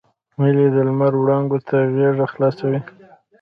هیلۍ د لمر وړانګو ته غېږه خلاصوي